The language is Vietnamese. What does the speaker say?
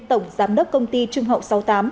tổng giám đốc công ty trung hậu sáu mươi tám